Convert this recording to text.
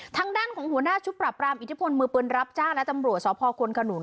ทางด้านของหัวหน้าชุดปรับรามอิทธิพลมือปืนรับจ้างและตำรวจสพควนขนุน